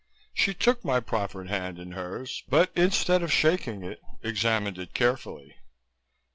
She took my proffered hand in hers but, instead of shaking it, examined it carefully.